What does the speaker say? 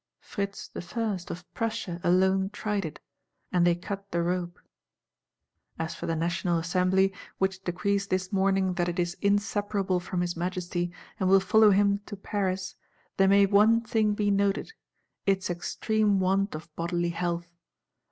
Fritz the First, of Prussia, alone tried it; and they cut the rope. As for the National Assembly, which decrees this morning that it "is inseparable from his Majesty," and will follow him to Paris, there may one thing be noted: its extreme want of bodily health.